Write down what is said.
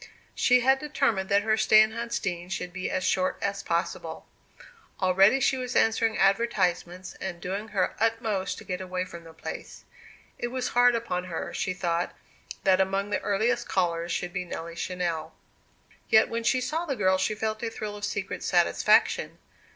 She had determined that her stay in Huntsdean should be as short as possible. Already she was answering advertisements, and doing her utmost to get away from the place. It was hard upon her, she thought, that among the earliest callers should be Nelly Channell. Yet when she saw the girl she felt a thrill of secret satisfaction.